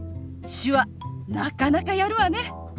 手話なかなかやるわね。